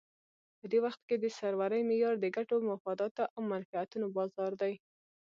په دې وخت کې د سرورۍ معیار د ګټو، مفاداتو او منفعتونو بازار دی.